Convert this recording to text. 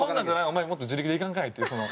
お前もっと自力で行かんかいっていうその。